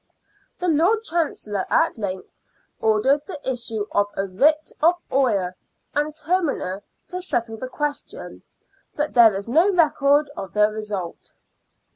The Lord Chancellor at length ordered the issue of a writ of oyer and terminer to settle the question, but there is no record of the result.